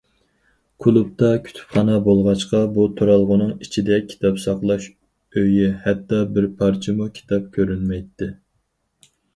كۇلۇبتا كۇتۇپخانا بولغاچقا، بۇ تۇرالغۇنىڭ ئىچىدە كىتاب ساقلاش ئۆيى ھەتتا بىر پارچىمۇ كىتاب كۆرۈنمەيتتى.